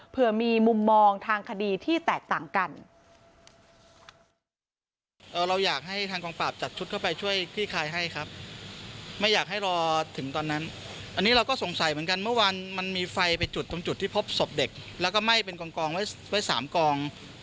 เพื่อมีมุมมองทางคดีที่แตกต่างกัน